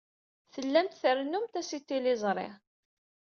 Tellamt trennumt-as i tliẓri.